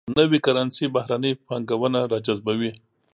نوي کرنسي بهرنۍ پانګونه راجذبوي.